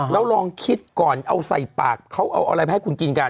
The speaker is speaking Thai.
แล้วลองคิดก่อนเอาใส่ปากเขาเอาอะไรมาให้คุณกินกัน